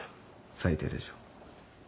最低でしょう。